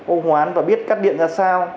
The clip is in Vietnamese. ông hoán và biết cắt điện ra sao